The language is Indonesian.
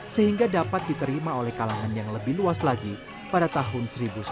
sehingga dapat diterima oleh kalangan yang lebih luas lagi pada tahun seribu sembilan ratus sembilan puluh